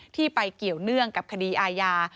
ที่ไปเกี่ยวเนื่องกับคดีอาญา